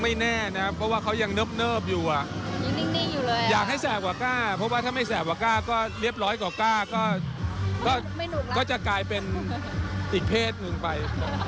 แน่นะครับเพราะว่าเขายังเนิบอยู่อ่ะยังนิ่งอยู่เลยอยากให้แสบกว่ากล้าเพราะว่าถ้าไม่แสบกว่าก้าก็เรียบร้อยกว่าก้าก็จะกลายเป็นอีกเพศหนึ่งไป